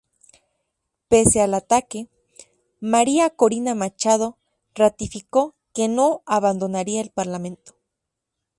Pese al ataque, María Corina Machado ratificó que no abandonaría el parlamento.